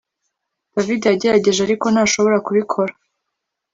David yagerageje ariko ntashobora kubikora